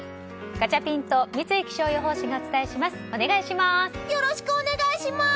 ガチャピンと三井気象予報士がお伝えします、お願いします。